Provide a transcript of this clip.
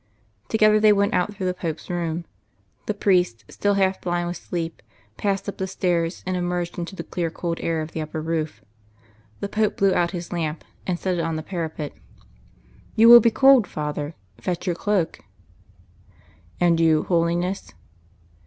Together they went out through the Pope's room, the priest, still half blind with sleep, passed up the stairs, and emerged into the clear cold air of the upper roof. The Pope blew out His lamp, and set it on the parapet. "You will be cold, Father; fetch your cloak." "And you, Holiness?"